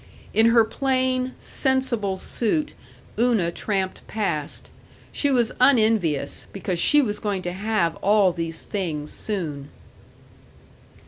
In her plain, "sensible" suit Una tramped past. She was unenvious, because she was going to have all these things soon.